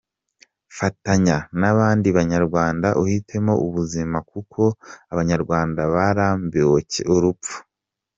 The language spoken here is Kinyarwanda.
Fatanya nabandi banyarwanda uhitemo ubuzima, kuko abanyarwanda barambiwe urupfu.